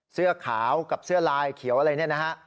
เสื้อขาวกับเสื้อลายเขียวอะไรเนี่ยนะฮะ